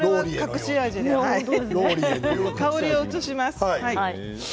香りを移します。